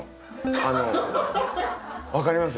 あの分かります？